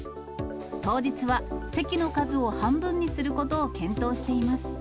当日は席の数を半分にすることを検討しています。